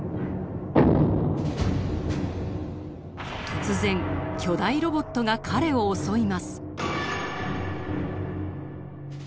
突然巨大ロボットが彼を襲います。